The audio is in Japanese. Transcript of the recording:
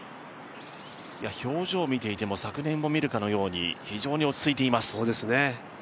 表情、見ていても昨年を見るかのように非常に落ち着いています。